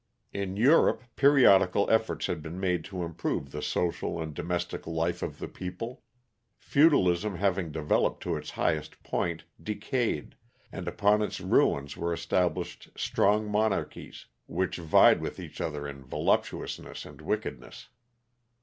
In Europe periodical efforts had been made to improve the social and domestic life of the people. Feudalism having developed to its highest point, decayed, and upon its ruins were established strong monarchies, which vied with each other in voluptuousness and wickedness.